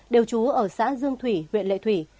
đều trú ở xã dương thủy huyện lệ thủy